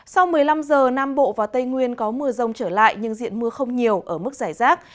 sau một mươi năm giờ nam bộ và tây nguyên có mưa rông trở lại nhưng diện mưa không nhiều ở mức giải rác